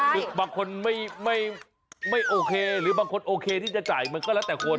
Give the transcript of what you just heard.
คือบางคนไม่โอเคหรือบางคนโอเคที่จะจ่ายมันก็แล้วแต่คน